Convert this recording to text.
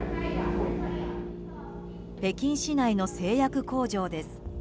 北京市内の製薬工場です。